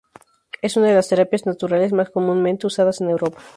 Es una de las terapias naturales más comúnmente usadas en Europa.